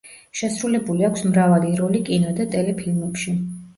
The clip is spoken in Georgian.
შესრულებული აქვს მრავალი როლი კინო და ტელე ფილმებში.